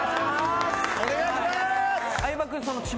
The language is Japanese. お願いします！